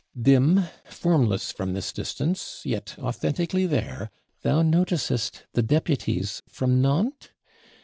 Dim, formless from this distance, yet authentically there, thou noticest the Deputies from Nantes?